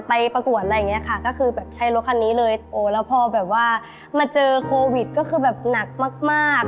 ประกวดอะไรอย่างเงี้ยค่ะก็คือแบบใช้รถคันนี้เลยโอ้แล้วพอแบบว่ามาเจอโควิดก็คือแบบหนักมากมาก